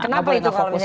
gak boleh gak fokus